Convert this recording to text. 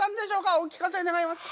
お聞かせ願えますか。